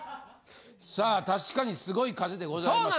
さあ確かにすごい数でございます！